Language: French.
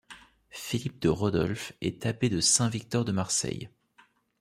Philippe de Rodolphe est abbé de Saint-Victor de Marseille.